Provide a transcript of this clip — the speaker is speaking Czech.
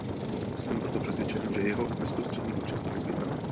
Jsem proto přesvědčen, že jeho bezprostřední účast je nezbytná.